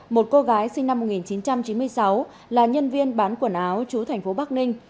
một cô gái sinh năm một nghìn chín trăm chín mươi sáu là nhân viên bán quần áo trú thành phố bắc ninh